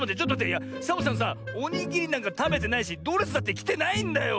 いやサボさんさおにぎりなんかたべてないしドレスだってきてないんだよ！